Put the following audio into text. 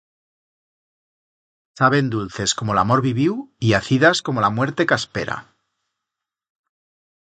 Saben dulces como l'amor viviu, y acidas como la muerte que aspera.